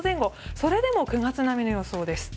それでも９月並みの予想です。